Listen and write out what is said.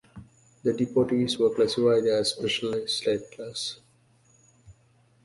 The deportees were classified as "special settlers".